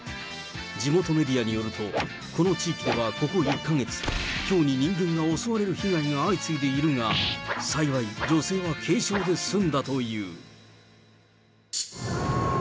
地元メディアによると、この地域ではここ１か月、ヒョウに人間が襲われる被害が相次いでいるが、幸い女性は軽傷で済んだという。